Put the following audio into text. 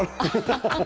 ハハハハ！